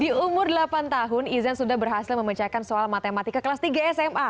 di umur delapan tahun izan sudah berhasil memecahkan soal matematika kelas tiga sma